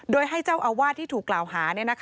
โดยให้เจ้าอาวาสที่ถูกกล่าวหา